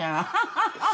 ハハハハ！